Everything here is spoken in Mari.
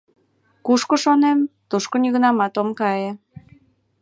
Кушко шонем, тушко нигунамат ом кае.